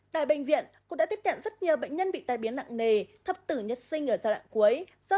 tại bệnh viện cũng đã tiếp nhận rất nhiều bệnh nhân bị tai biến nặng nề thấp tử nhất sinh ở giai đoạn cuối do